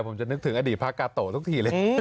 ผมจะนึกถึงอดีตพระกาโตทุกทีเลย